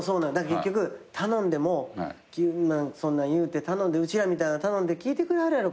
結局頼んでも「そんなんいうてうちらみたいなのが頼んで聞いてくれはるやろか」